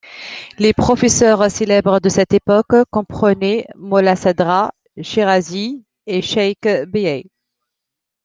Les professeurs célèbres de cette époque comprenaient Molla Sadra Shirazi et Cheykh Bahai.